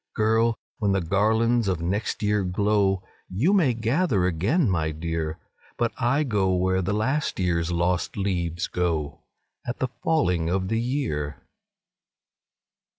Girl! when the garlands of next year glow, YOU may gather again, my dear But I go where the last year's lost leaves go At the falling of the year."